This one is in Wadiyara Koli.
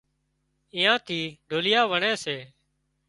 ايئان ٿِي ڍوليئا وڻي سي